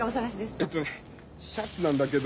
えっとねシャツなんだけど。